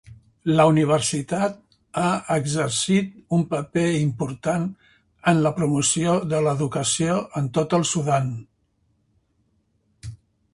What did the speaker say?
La universitat ha exercit un paper important en la promoció de l'educació en tot el Sudan.